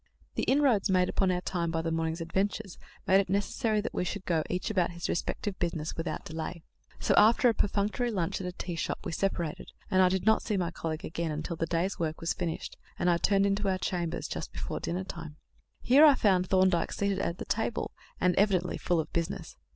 The inroads made upon our time by the morning's adventures made it necessary that we should go each about his respective business without delay; so, after a perfunctory lunch at a tea shop, we separated, and I did not see my colleague again until the day's work was finished, and I turned into our chambers just before dinner time. Here I found Thorndyke seated at the table, and evidently full of business.